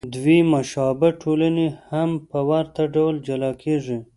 دوې مشابه ټولنې هم په ورته ډول جلا کېږي.